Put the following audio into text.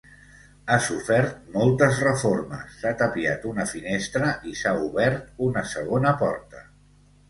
Ha sofert moltes reformes: s'ha tapiat una finestra i s'ha obert una segona porta.